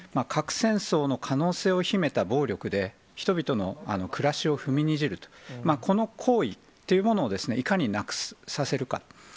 核戦争の可能性を秘めた暴力で、人々の暮らしを踏みにじると、この行為というものを、いかになくさせるか。